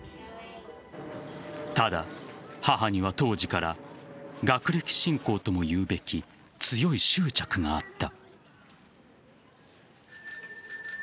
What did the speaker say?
ただ、母には当時から学歴信仰ともいうべき強い執着があった。